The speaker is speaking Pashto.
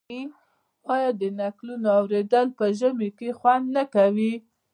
آیا د نکلونو اوریدل په ژمي کې خوند نه کوي؟